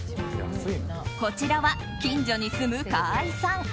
こちらは近所に住む川合さん。